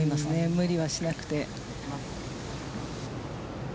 無理はしなくて。